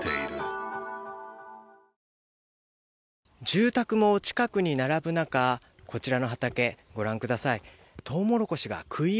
住宅も近くに並ぶ中、こちらの畑、ご覧ください